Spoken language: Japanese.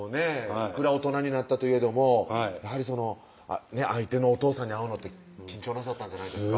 いくら大人になったといえどもやはり相手のお父さんに会うのって緊張なさったんじゃないですか？